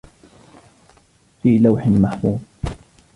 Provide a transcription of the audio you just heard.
في لوح محفوظ